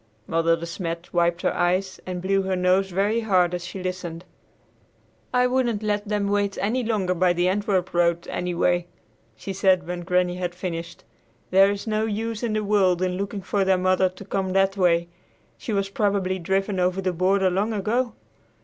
Mother De Smet wiped her eyes and blew her nose very hard as she listened. "I wouldn't let them wait any longer by the Antwerp road, anyway," she said when Granny had finished. "There is no use in the world in looking for their mother to come that way. She was probably driven over the border long ago.